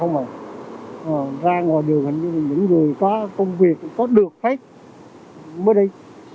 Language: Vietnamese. ở nhà không ra ngồi đường những người có công việc có được phép mới đi